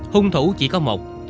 hung thủ chỉ có một